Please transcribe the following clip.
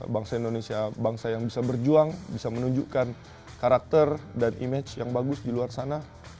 bangsa indonesia bangsa yang bisa berjuang bisa menunjukkan karakter dan image yang bagus di luar sana